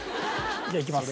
じゃあいきます。